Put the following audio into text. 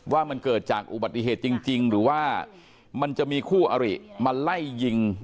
ว่ามันเกิดจากอุบัติเหตุจริงหรือว่ามันจะมีคู่อริมาไล่ยิง